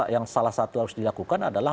yang salah satu harus dilakukan adalah